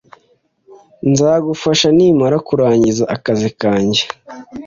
Nzagufasha nimara kurangiza akazi kanjye